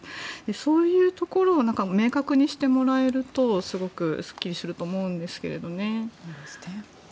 そういうところを明確にしてもらえるとすごくすっきりすると思うんですけどね。